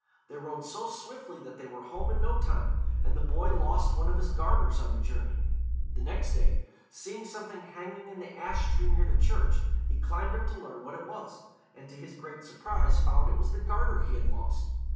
They rode so swiftly that they were home in no time, and the boy lost one of his garters in the journey. The next day, seeing something hanging in the ash tree near the church, he climbed up to learn what it was, and to his great surprise found it was the garter he had lost.